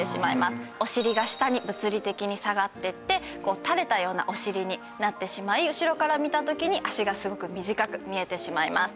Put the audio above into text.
お尻が下に物理的に下がっていって垂れたようなお尻になってしまい後ろから見た時に脚がすごく短く見えてしまいます。